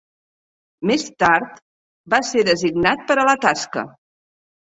Més tard va ser designat per a la tasca.